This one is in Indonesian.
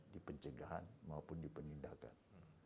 di pencegahan maupun di penindakan